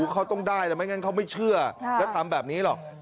เขาต้องได้แล้วไม่งั้นเขาไม่เชื่อแล้วทำแบบนี้หรอก